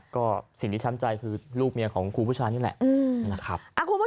ก็สิ่งที่ช้ำใจคือลูกเมียของครูผู้ชายนี่แหละนะครับ